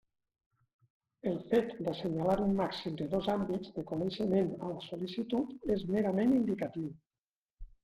El fet d'assenyalar un màxim de dos àmbits de coneixement a la sol·licitud és merament indicatiu.